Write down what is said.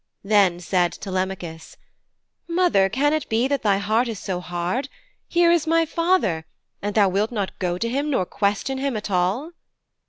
Then said Telemachus, 'Mother, can it be that thy heart is so hard? Here is my father, and thou wilt not go to him nor question him at all.'